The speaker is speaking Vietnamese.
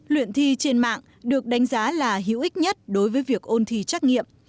luyện thi trên mạng được đánh giá là hữu ích nhất đối với việc ôn thi trắc nghiệm